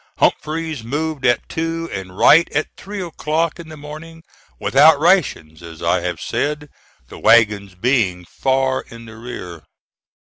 Humphreys moved at two, and Wright at three o'clock in the morning, without rations, as I have said, the wagons being far in the rear.